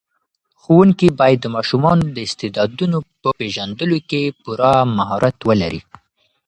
ښوونکي باید د ماشومانو د استعدادونو په پېژندلو کې پوره مهارت ولري.